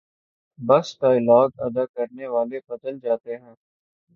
بس ڈائیلاگ ادا کرنے والے بدل جاتے ہیں۔